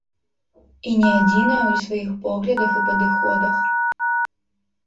І не адзіная ў сваіх поглядах і падыходах.